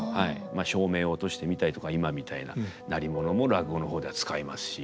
まあ照明を落としてみたりとか今みたいな鳴り物も落語の方では使いますし。